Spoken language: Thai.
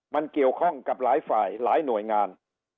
มันเกี่ยวข้องกับหลายฝ่ายหลายหน่วยงาน